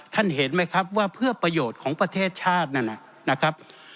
เห็นไหมครับว่าเพื่อประโยชน์ของประเทศชาตินั่นนะครับ